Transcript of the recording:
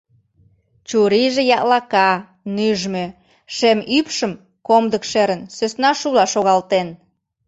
Чурийже яклака, нӱжмӧ, шем ӱпшым, комдык шерын, сӧсна шула шогалтен.